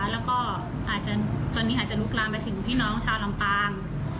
แล้วก็อาจจะตอนนี้อาจจะลุกลามไปถึงพี่น้องชาวลำปาง